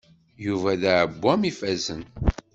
Yuba d aɛewwam ifazen.